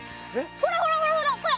ほらほらほらほらこれ！